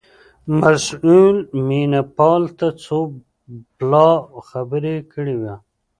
مسئول مینه پال ته څو پلا خبره کړې وه.